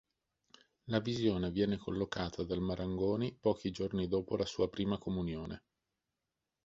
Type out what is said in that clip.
La visione viene collocata dal Marangoni pochi giorni dopo la sua prima comunione.